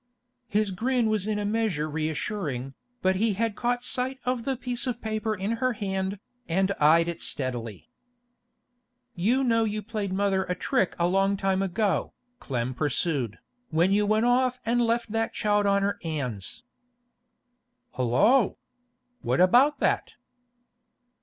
His grin was in a measure reassuring, but he had caught sight of the piece of paper in her hand, and eyed it steadily. 'You know you played mother a trick a long time ago,' Clem pursued, 'when you went off an' left that child on her 'ands.' 'Hollo! What about that?